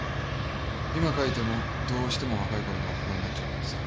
今描いてもどうしても若いころのおふくろになっちゃうんだってさ。